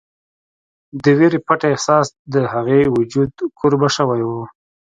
د وېرې پټ احساس د هغې وجود کوربه شوی و